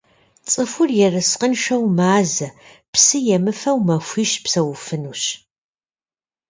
Цӏыхур ерыскъыншэу мазэ, псы емыфэу махуищ псэуфынущ.